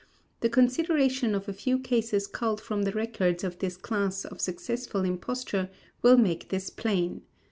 The consideration of a few cases culled from the records of this class of successful imposture will make this plain.